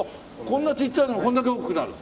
こんなちっちゃいのがこれだけ大きくなる。